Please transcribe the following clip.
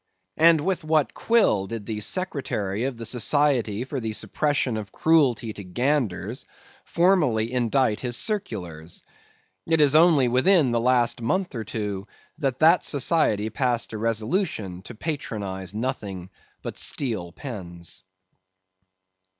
And with what quill did the Secretary of the Society for the Suppression of Cruelty to Ganders formally indite his circulars? It is only within the last month or two that that society passed a resolution to patronize nothing but steel pens.